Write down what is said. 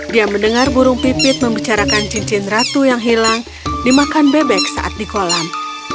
dia mendengar burung pipit membicarakan cincin ratu yang hilang dimakan bebek saat di kolam